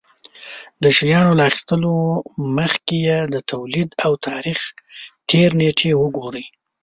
د شيانو له اخيستلو مخکې يې د توليد او تاريختېر نېټې وگورئ.